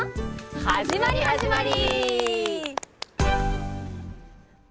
はじまりはじまり！